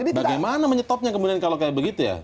bagaimana menyetopnya kemudian kalau kayak begitu ya